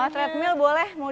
treadmill boleh mudah